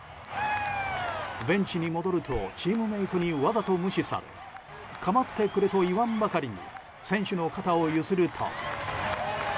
ベンチに戻るとチームメートにわざと無視され構ってくれと言わんばかりに選手の肩を揺すると。